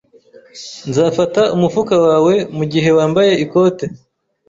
Nzafata umufuka wawe mugihe wambaye ikote